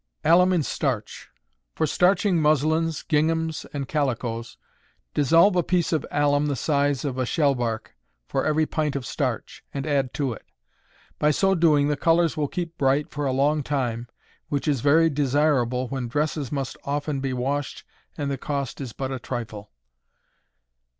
Alum in Starch. For starching muslins, ginghams, and calicoes, dissolve a piece of alum the size of a shellbark, for every pint of starch, and add to it. By so doing the colors will keep bright for a long time, which is very desirable when dresses must be often washed, and the cost is but a trifle.